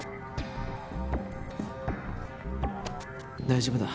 大丈夫だ。